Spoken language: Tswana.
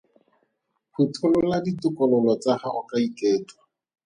Phutholola ditokololo tsa gago ka iketlo.